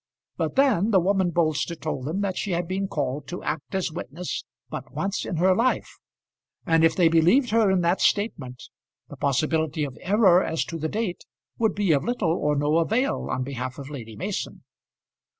But then the woman Bolster told them that she had been called to act as witness but once in her life, and if they believed her in that statement, the possibility of error as to the date would be of little or no avail on behalf of Lady Mason.